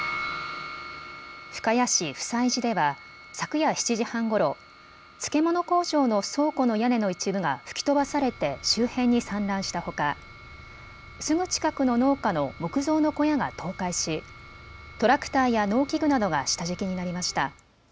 深谷市普済寺では昨夜７時半ごろ漬物工場の倉庫の屋根の一部が吹き飛ばされて周辺に散乱したほかすぐ近くの農家の木造の小屋が倒壊しトラクターや農機具などが下敷きになりました。